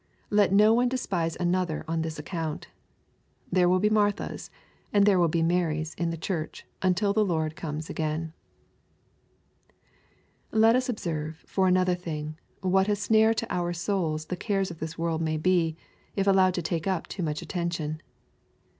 Let not one despise another on this account. There will be Marthas and there will be Marys in the Church until the Lord comes again. Let us observe, for another thing, what a snare to our souls the cares of this world may 6e, if allowed to take up too much attention.